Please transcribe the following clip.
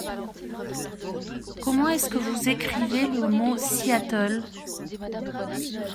Comment est-ce que vous écrivez le mot Seattle ?